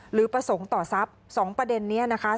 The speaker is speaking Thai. หรือประสงค์ต่อทรัพย์๒ประเด็นนี้นะคะ